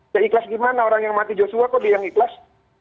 dia ikhlas gimana orang yang mati joshua kok dia yang ikhlas